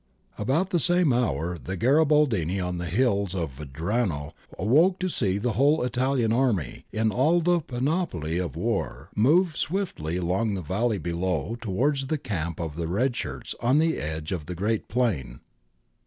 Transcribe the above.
^ About the same hour the Garibaldini on the hills of Vajrano awoke to see the whole Italian army, in all the panoply of war, move swiftly along the valley below towards the camp of the red shirts on the edge of the great plain.